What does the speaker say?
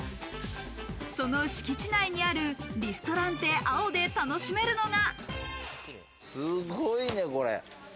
その敷地内にあるリストランテＡＯで楽しめるのが。